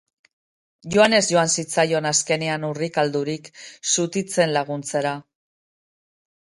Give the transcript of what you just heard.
Joanes joan zitzaion, azkenean, urrikaldurik, xutitzen laguntzera.